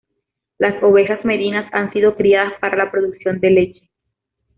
Las ovejas merinas han sido criadas para la producción de leche.